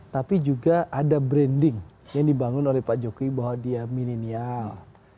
tapi juga ada branding yang dibangun oleh pak jokowi bahwa dia milenial